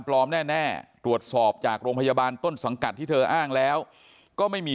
แน่ตรวจสอบจากโรงพยาบาลต้นสังกัดที่เธออ้างแล้วก็ไม่มี